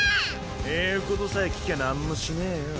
言うことさえ聞きゃなんもしねぇよ。